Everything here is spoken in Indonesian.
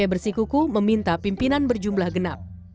bersikuku meminta pimpinan berjumlah genap